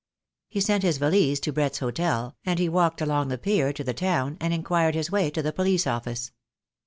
He sent his valise to Brett's Hotel, and he walked along the pier to the town, and inquired his way to the Police Office.